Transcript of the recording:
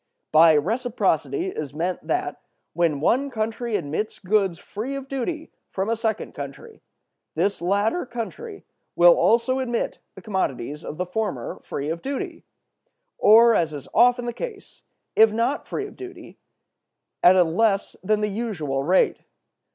By "reciprocity" is meant that, when one country admits goods free of duty from a second country, this latter country will also admit the commodities of the former free of duty; or, as is often the case, if not free of duty, at a less than the usual rate.